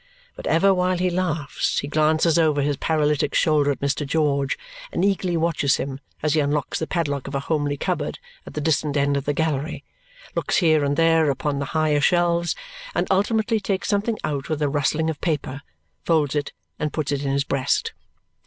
But ever while he laughs, he glances over his paralytic shoulder at Mr. George and eagerly watches him as he unlocks the padlock of a homely cupboard at the distant end of the gallery, looks here and there upon the higher shelves, and ultimately takes something out with a rustling of paper, folds it, and puts it in his breast.